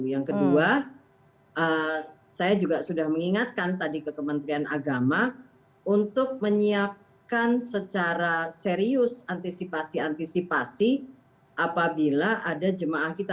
yang kedua saya juga sudah mengingatkan tadi ke kementerian agama untuk menyiapkan secara serius antisipasi antisipasi apabila ada jemaah kita